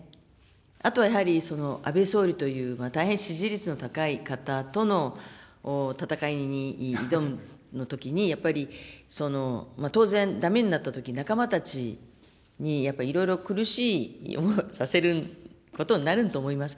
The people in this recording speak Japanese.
あとはやはり、安倍総理という大変支持率の高い方との戦いに挑むときに、やっぱり当然、だめになったときに仲間たちに、やっぱりいろいろ苦しい思いをさせることになると思います。